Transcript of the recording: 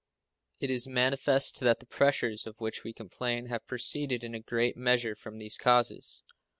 It is manifest that the pressures of which we complain have proceeded in a great measure from these causes.